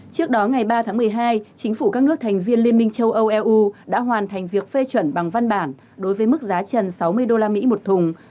trước đó ngày ba tháng một mươi hai chính phủ các nước thành viên liên minh châu âu eu đã hoàn thành việc phê chuẩn bằng văn bản đối với mức giá trần sáu mươi usd một thùng